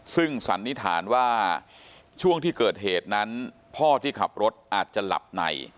ซึ่งสันนิษฐานว่าช่วงที่เกิดเหตุนั้นพ่อที่ขับรถอาจจะหลับใน